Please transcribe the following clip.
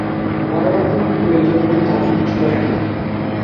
বড় রকমের প্রয়োজনেও তাঁর খোঁজ করেন না।